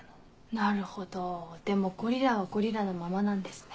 なるほどでもゴリラはゴリラのままなんですね。